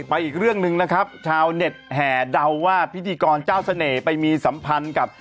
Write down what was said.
อีกเรื่องหนึ่งนะครับชาวเน็ตแห่เดาว่าพิธีกรเจ้าเสน่ห์ไปมีสัมพันธ์กับ